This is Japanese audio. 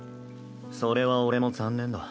それは俺も残念だ。